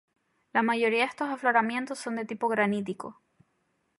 La mayoría de estos afloramientos son de tipo granítico.